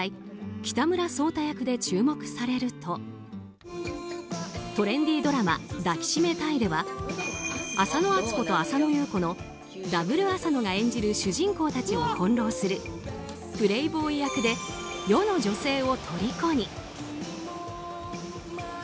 北村草太役で注目されるとトレンディードラマ「抱きしめたい！」では浅野温子と浅野ゆう子のダブル浅野が演じる主人公たちを翻弄するプレーボーイ役で世の女性をとりこに。